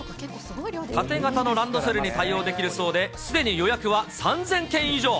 縦型のランドセルに対応できるそうで、すでに予約は３０００件以上。